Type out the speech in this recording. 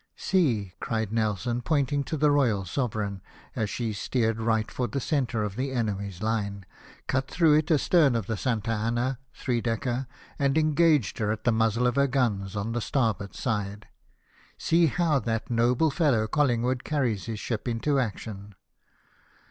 " See," cried Nelson, pointing to the Royal Sovereign as she steered right for the centre of the enemy's line, cut through it astern of the Santa Anna, three decker, and engaged her at the muzzle of her guns on the starboard side —" See how that noble fellow, CoUingwood, carries his ship into action